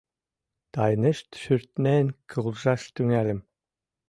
Тайнышт-шӱртнен куржаш тӱҥальым.